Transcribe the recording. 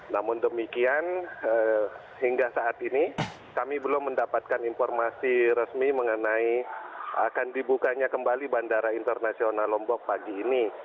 namun demikian hingga saat ini kami belum mendapatkan informasi resmi mengenai akan dibukanya kembali bandara internasional lombok pagi ini